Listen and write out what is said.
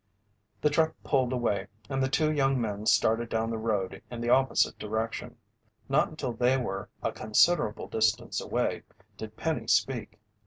The truck pulled away, and the two young men started down the road in the opposite direction. Not until they were a considerable distance away, did Penny speak.